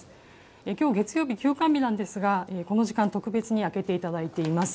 きょう月曜日、休館日なんですが、この時間、特別に開けていただいています。